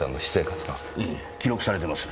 ええ記録されてます。